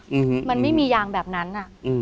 อือฮือมันไม่มียางแบบนั้นอะอือ